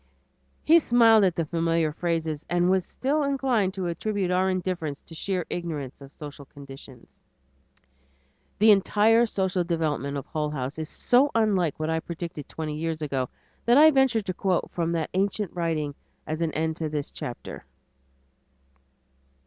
He smiled at the familiar phrases and was still inclined to attribute our indifference to sheer ignorance of social conditions. The entire social development of Hull House is so unlike what I predicted twenty years ago, that I venture to quote from that ancient writing as an end to this chapter.